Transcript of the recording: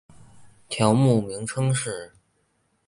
条目名称是